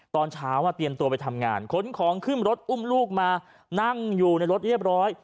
ตอนเช้าเตรียมตัวไปทำงานขนของขึ้นรถอุ้มลูกมานั่งอยู่ในรถเรียบร้อย